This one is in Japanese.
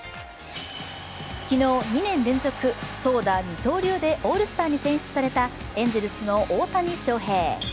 昨日、２年連続、投打二刀流でオールスターに選出されたエンゼルスの大谷翔平。